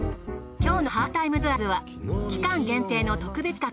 今日の『ハーフタイムツアーズ』は期間限定の特別企画。